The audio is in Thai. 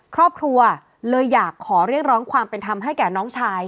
ครอบครัวเลยอยากขอเรียกร้องความเป็นธรรมให้แก่น้องชาย